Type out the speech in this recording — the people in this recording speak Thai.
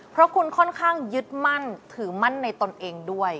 เพราะคุณค่อนข้างยึดมั่นถือมั่นในตนเองด้วย